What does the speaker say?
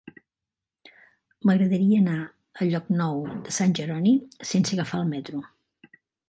M'agradaria anar a Llocnou de Sant Jeroni sense agafar el metro.